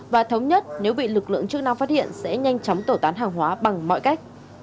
và thống nhất nếu bị lực lượng chức năng phát hiện sẽ nhanh chóng tẩu tán hàng hóa bằng mọi cách